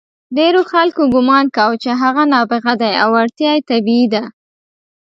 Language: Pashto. ډېرو خلکو ګمان کاوه چې هغه نابغه دی او وړتیا یې طبیعي ده.